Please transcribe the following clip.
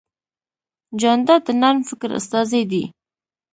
جانداد د نرم فکر استازی دی.